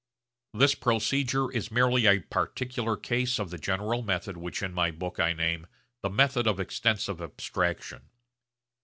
This procedure is merely a particular case of the general method which in my book I name the 'method of extensive abstraction.'